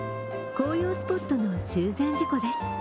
紅葉スポットの中禅寺湖です。